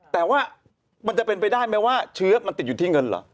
แต่ว่ามันจะเป็นไปได้ไหมว่าเชื้อมันติดอยู่ที่เงินเหรอ